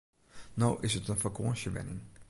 No is it in fakânsjewenning.